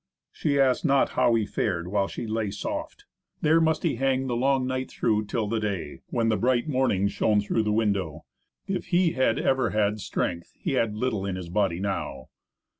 She asked not how he fared while she lay soft. There must he hang the long night through till the day, when the bright morning shone through the window. If he had ever had strength, he had little in his body now.